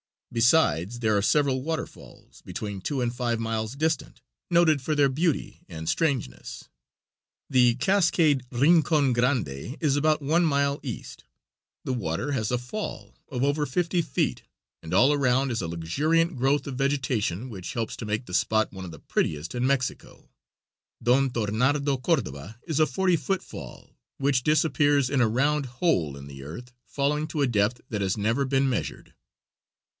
Besides, there are several waterfalls, between two and five miles distant, noted for their beauty and strangeness; the Cascade Rincon Grande is about one mile east; the water has a fall of over fifty feet, and all around is a luxuriant growth of vegetation, which helps to make the spot one of the prettiest in Mexico. Donn Tonardo Cordoba is a forty foot fall, which disappears in a round hole in the earth, falling to a depth that has never been measured.